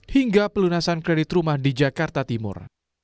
hingga pelunasan kredit rumah di jakarta timur